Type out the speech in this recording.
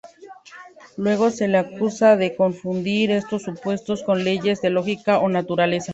Luego se les acusa de confundir estos supuestos con leyes de lógica o naturaleza.